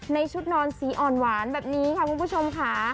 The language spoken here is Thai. ชุดนอนสีอ่อนหวานแบบนี้ค่ะคุณผู้ชมค่ะ